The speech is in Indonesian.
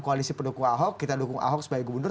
koalisi pendukung ahok kita dukung ahok sebagai gubernur